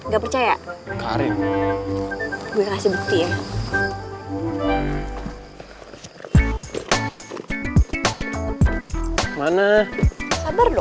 gak percaya karim kasih bukti mana sabar lho